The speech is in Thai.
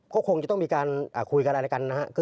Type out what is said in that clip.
ก็คงจะต้องมีการคุยกันอะไรกันนะครับ